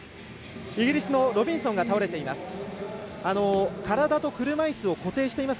イギリスのロビンソンが倒れています。